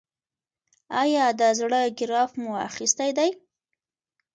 ایا د زړه ګراف مو اخیستی دی؟